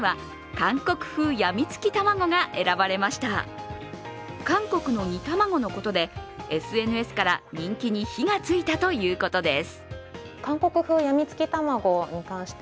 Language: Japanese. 韓国の煮卵のことで、ＳＮＳから人気に火がついたということです。